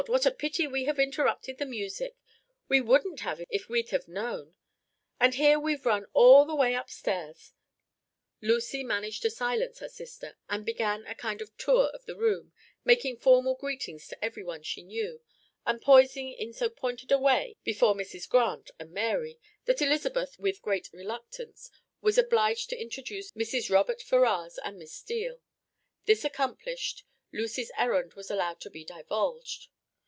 what a pity we have interrupted the music! We wouldn't have if we'd have known! And here we've run all the way upstairs " Lucy managed to silence her sister, and began a kind of tour of the room, making formal greetings to everyone she knew, and pausing in so pointed a way before Mrs. Grant and Mary, that Elizabeth, with great reluctance, was obliged to introduce Mrs. Robert Ferrars and Miss Steele. This accomplished, Lucy's errand was allowed to be divulged.